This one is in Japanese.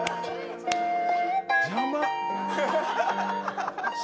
邪魔。